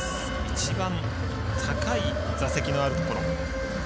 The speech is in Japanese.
一番高い座席のあるところ。